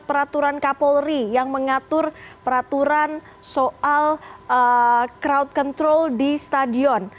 peraturan kapolri yang mengatur peraturan soal crowd control di stadion